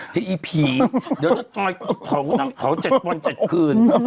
เฮ้พีห์เดี๋ยวเจ้าจ่อยเผา๗วัน๗คืน